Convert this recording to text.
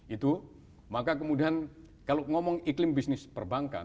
itu maka kemudian kalau ngomong iklim bisnis perbankan